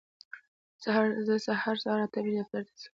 زه هر سهار اته بجې دفتر ته ځم.